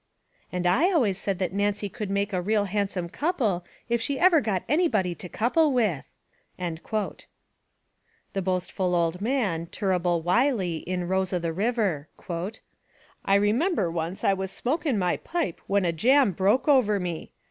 "('And I always said that Nancy would make a real handsome couple if she ever got anybody to couple with!')" The boastful old man, Tumble Wiley, in Rose o' the River: ' 'I remember once I was smokin' my pipe when a jam broke under me.